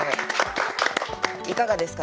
いかがですか？